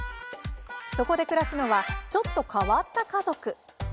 そこで暮らすのはちょっと変わった家族。